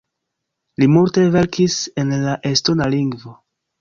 Li multe verkis en la estona lingvo.